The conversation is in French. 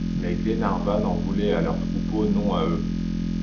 Mais Glenarvan en voulait à leur troupeau, non à eux.